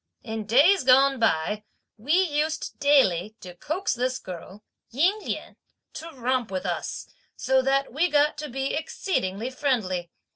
In days gone by, we used daily to coax this girl, Ying Lien, to romp with us, so that we got to be exceedingly friendly.